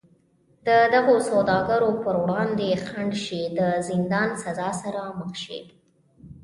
د دغو سوداګرو پر وړاندې خنډ شي د زندان سزا سره مخ شي.